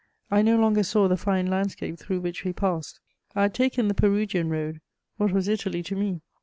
I no longer saw the fine landscape through which we passed. I had taken the Perugian road: what was Italy to me?